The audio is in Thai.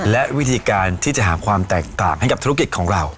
และวิธีการที่จะหาความแตกต่างให้กับธุรกิจของเรา